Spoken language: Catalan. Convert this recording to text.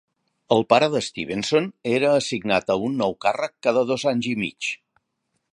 El pare de Stevenson era assignat a un nou càrrec cada dos anys i mig.